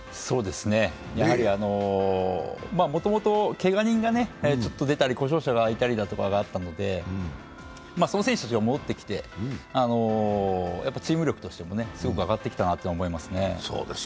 やはり、もともとけが人が出たり故障者がいたりとかがあったのでその選手たちが戻ってきて、チーム力としてもすごく上がってきたなと思いますね。